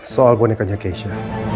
soal bonekanya keisha